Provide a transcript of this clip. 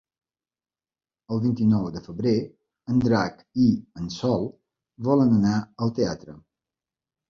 El vint-i-nou de febrer en Drac i en Sol volen anar al teatre.